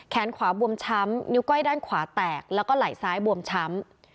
ขวาบวมช้ำนิ้วก้อยด้านขวาแตกแล้วก็ไหล่ซ้ายบวมช้ำ